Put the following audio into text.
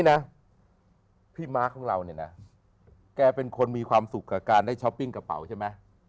นะพี่ม้าของเราเนี่ยนะแกเป็นคนมีความสุขกับการได้ช้อปปิ้งกระเป๋าใช่ไหม